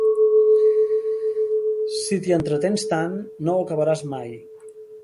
Si t'hi entretens tant, no ho acabaràs mai.